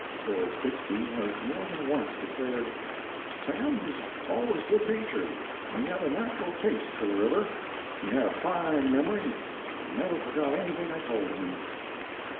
Horace Bixby has more than once declared: "Sam was always good natured, and he had a natural taste for the river. He had a fine memory and never forgot anything I told him."